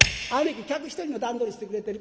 き客１人の段取りしてくれてる。